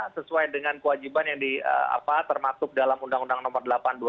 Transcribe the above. sesuai dengan kewajiban yang termasuk dalam undang undang nomor delapan dua ribu